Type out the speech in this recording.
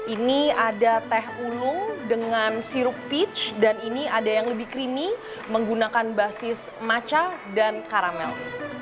ini ada teh ulung dengan sirup peach dan ini ada yang lebih creamy menggunakan basis macha dan karamel